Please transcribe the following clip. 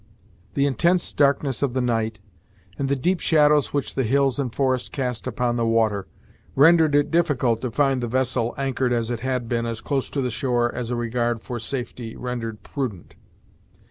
The intense darkness of the night, and the deep shadows which the hills and forest cast upon the water, rendered it difficult to find the vessel, anchored, as it had been, as close to the shore as a regard to safety rendered prudent.